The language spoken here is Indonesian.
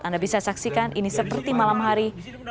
anda bisa saksikan ini seperti malam hari